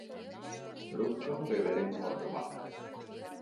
ރުއްގަހުގެ ވެރިން ހޯދުމަށް